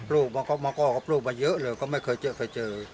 ลูกมาก็มาก็มาเยอะเลยก็ไม่เคยเจอเคยเจอ